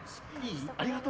ありがとう。